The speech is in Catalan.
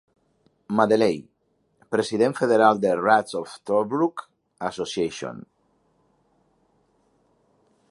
Madeley, President Federal de "Rats of Tobruk Association".